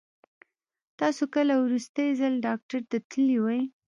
تاسو کله وروستی ځل ډاکټر ته تللي وئ؟